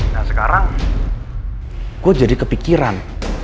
nah sekarang gue jadi kepikiran